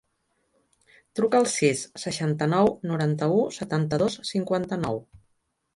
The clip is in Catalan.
Truca al sis, seixanta-nou, noranta-u, setanta-dos, cinquanta-nou.